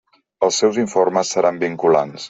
Els seus informes seran vinculants.